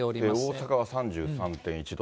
大阪は３３．１度。